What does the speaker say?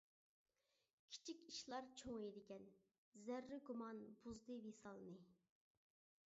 كىچىك ئىشلار چوڭىيىدىكەن، زەررە گۇمان بۇزدى ۋىسالنى.